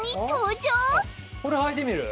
これはいてみる？